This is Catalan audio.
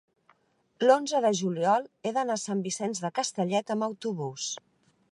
l'onze de juliol he d'anar a Sant Vicenç de Castellet amb autobús.